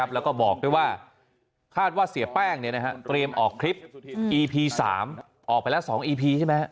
แล้วก็บอกด้วยว่าคาดว่าเสียแป้งเตรียมออกคลิปอีพี๓ออกไปแล้ว๒อีพีใช่ไหม